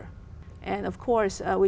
rất đáng chú ý